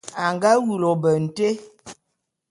A nga wulu ôbe nté.